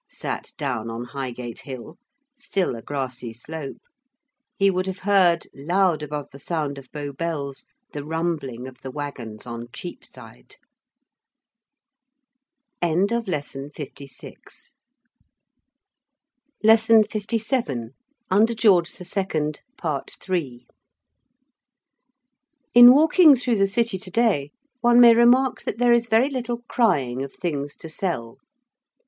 sat down on Highgate Hill (still a grassy slope), he would have heard, loud above the sound of Bow Bells, the rumbling of the waggons on Cheapside. 57. UNDER GEORGE THE SECOND. PART III. In walking through the City to day, one may remark that there is very little crying of things to sell.